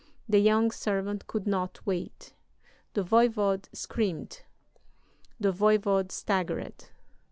The young servant could not wait. The voyvode screamed; the voyvode staggered.